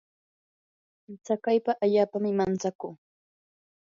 tsakaypa allaapami mantsakuu.